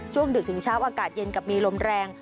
ดึกถึงเช้าอากาศเย็นกับมีลมแรง